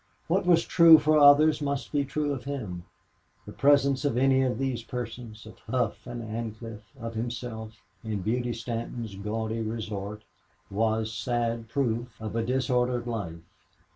What was true for others must be true for him. The presence of any of these persons of Hough and Ancliffe, of himself, in Beauty Stanton's gaudy resort was sad proof of a disordered life.